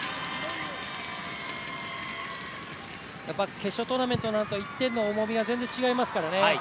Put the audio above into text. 決勝トーナメントとなると、１点の重みが全然違いますからね。